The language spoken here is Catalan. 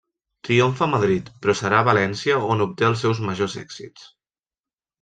Triomfa a Madrid, però serà a València on obté els seus majors èxits.